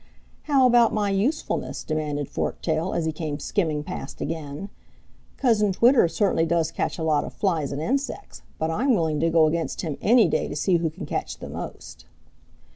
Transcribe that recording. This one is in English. "How about my usefulness?" demanded Forktail, as he came skimming past again. "Cousin Twitter certainly does catch a lot of flies and insects but I'm willing to go against him any day to see who can catch the most."